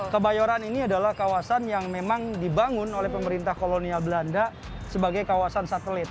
kebayoran ini adalah kawasan yang memang dibangun oleh pemerintah kolonial belanda sebagai kawasan satelit